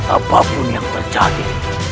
apapun yang terjadi